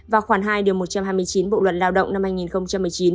và khoảng hai điều một trăm hai mươi chín bộ luật lao động năm hai nghìn một mươi chín